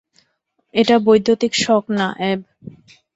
এটা বৈদ্যুতিক শক না, অ্যাব।